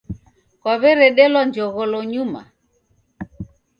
Kwaw'eredelwa njogholo nyuma.